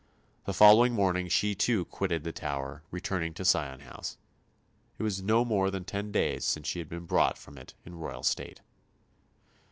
The following morning she too quitted the Tower, returning to Sion House. It was no more than ten days since she had been brought from it in royal state.